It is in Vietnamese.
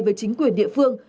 với chính quyền địa phương